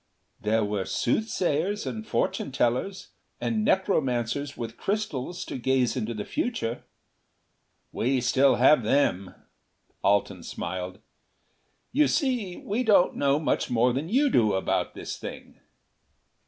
"There were soothsayers and fortune tellers, and necromancers with crystals to gaze into the future." "We still have them," Alten smiled. "You see, we don't know much more than you do about this thing."